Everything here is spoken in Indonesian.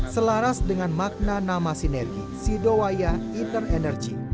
selaras dengan makna nama sinergi sidowaya either energy